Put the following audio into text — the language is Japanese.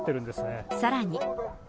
さらに。